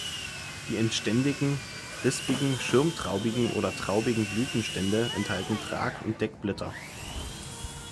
Die endständigen, rispigen, schirmtraubigen oder traubigen Blütenstände enthalten Trag- und Deckblätter.